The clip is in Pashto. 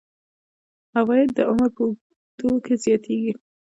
عواید د عمر په اوږدو کې زیاتیږي.